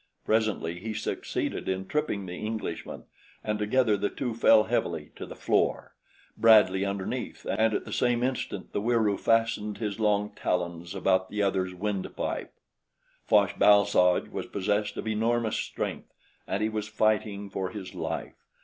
Presently he succeeded in tripping the Englishman, and together the two fell heavily to the floor, Bradley underneath, and at the same instant the Wieroo fastened his long talons about the other's windpipe. Fosh bal soj was possessed of enormous strength and he was fighting for his life.